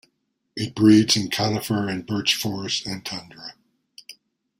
It breeds in conifer and birch forest and tundra.